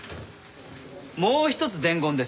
もう一つ伝言です。